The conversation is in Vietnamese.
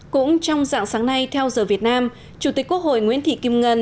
cũng trong dạng sáng nay theo giờ việt nam chủ tịch quốc hội nguyễn thị kim ngân